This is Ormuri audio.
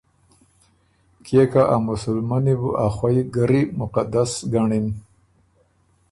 کيې که ا مسلمنی بُو ا خوئ ګرّی مقدس ګنړِن